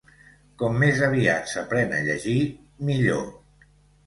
Com més aviat s'aprèn a llegir, millor.